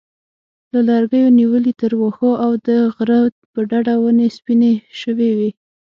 له لرګیو نیولې تر واښو او د غره په ډډه ونې سپینې شوې وې.